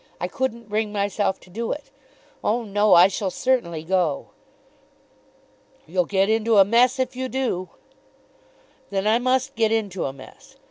"I couldn't bring myself to do it. Oh, no; I shall certainly go." "You'll get into a mess if you do." "Then I must get into a mess.